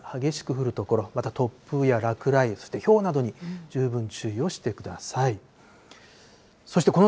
雷を伴いながら、激しく降る所、また突風や落雷、そしてひょうなどに十分注意をしてください。